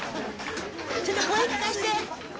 ちょっと声聞かせて。